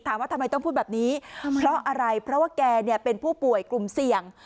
ทำไมต้องพูดแบบนี้เพราะอะไรเพราะว่าแกเนี่ยเป็นผู้ป่วยกลุ่มเสี่ยง